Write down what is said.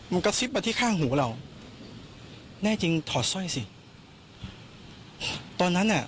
มันกระซิบมาที่ข้างหูเราแน่จริงถอดสร้อยสิตอนนั้นอ่ะ